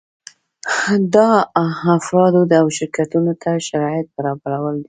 دا افرادو او شرکتونو ته شرایط برابرول دي.